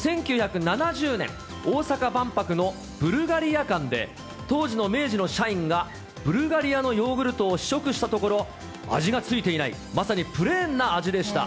１９７０年、大阪万博のブルガリア館で、当時の明治の社員が、ブルガリアのヨーグルトを試食したところ、味が付いていない、まさにプレーンな味でした。